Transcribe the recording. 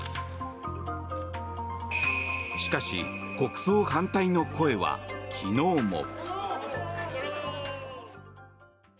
しかし、国葬反対の声は昨日も。